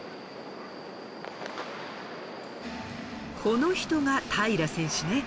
この人が平良選手ね。